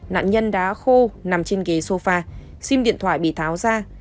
nạn nhân đã khô nằm trên ghế sofa sim điện thoại bị tháo ra